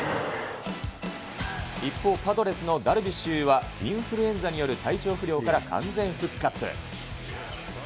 一方、パドレスのダルビッシュ有はインフルエンザによる体調不良から完全復活。